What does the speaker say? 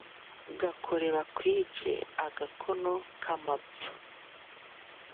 Gakore bakwice-Agakono k'amapfa